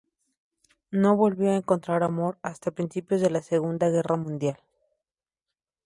No volvió a encontrar amor hasta principios de la Segunda Guerra Mundial.